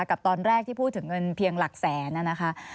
กับตอนแรกที่พูดถึงเงินเพียงหลักแสนนะคะ